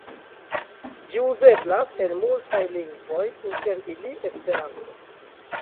Ĝi uzeblas en multaj lingvoj, inter ili Esperanto.